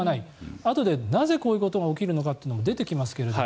あとで、なぜこういうことが起きるのかというのが出てきますけれども。